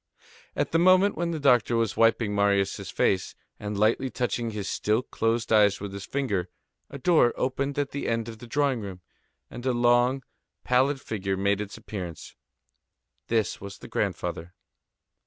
At the moment when the doctor was wiping Marius' face, and lightly touching his still closed eyes with his finger, a door opened at the end of the drawing room, and a long, pallid figure made its appearance. This was the grandfather.